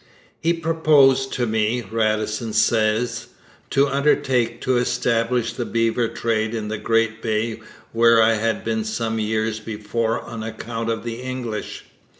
'He proposed to me,' Radisson says, 'to undertake to establish the beaver trade in the great Bay where I had been some years before on account of the English.'